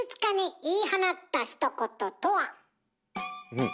うん。